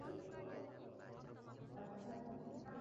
Azizlar hech kimning taqdiri mening taqdirimga o`xshamasin